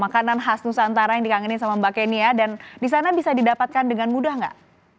yang dikangenin makanan khas nusantara yang dikangenin sama mbak kenia dan disana bisa didapatkan dengan mudah gak